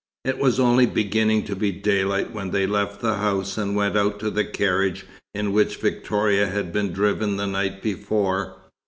It was only beginning to be daylight when they left the house and went out to the carriage in which Victoria had been driven the night before.